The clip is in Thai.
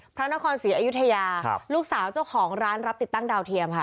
พระนครศรีอยุธยาลูกสาวเจ้าของร้านรับติดตั้งดาวเทียมค่ะ